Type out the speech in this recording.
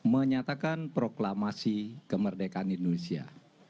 menyatakan proklamasi kemerdekaan indonesia